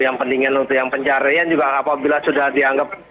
yang pendingin untuk yang pencarian juga apabila sudah dianggap